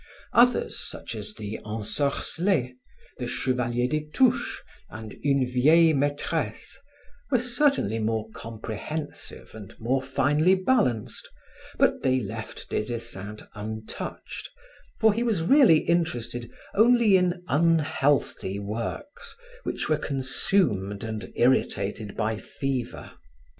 Others, such as the Ensorcele, the Chevalier des touches and Une Vieille Maitresse, were certainly more comprehensive and more finely balanced, but they left Des Esseintes untouched, for he was really interested only in unhealthy works which were consumed and irritated by fever.